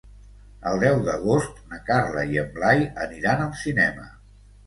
El deu d'agost na Carla i en Blai aniran al cinema.